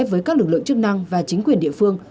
với các lực lượng chức năng và chính quyền địa phương